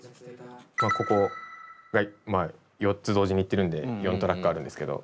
ここが４つ同時に言ってるので４トラックあるんですけど。